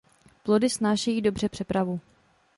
Plody snášejí dobře přepravu.